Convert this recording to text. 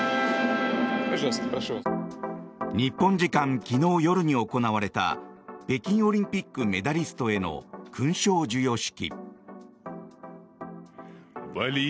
日本時間昨日夜に行われた北京オリンピックメダリストへの勲章授与式。